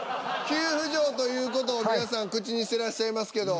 急浮上という事を皆さん口にしてらっしゃいますけど。